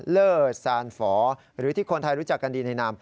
เลอร์ซานฝอหรือที่คนไทยรู้จักกันดีในนาม